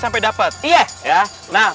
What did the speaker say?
sampai dapat iya